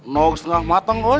nogis tengah mateng woy